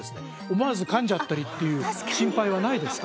思わず噛んじゃったりっていう心配はないですか？